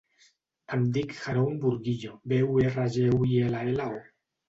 Em dic Haroun Burguillo: be, u, erra, ge, u, i, ela, ela, o.